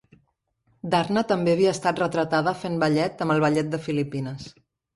Darna també havia estat retratada fent ballet amb el Ballet de Filipines.